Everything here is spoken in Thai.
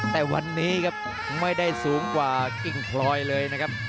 แต่วันนี้ครับไม่ได้สูงกว่ากิ้งพลอยเลยนะครับ